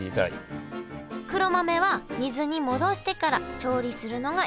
黒豆は水に戻してから調理するのが一般的です。